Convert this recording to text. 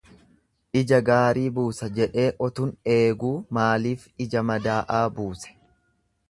Ija gaarii buusa jedhee utun eeguu maaliif ija madaa'aa buuse?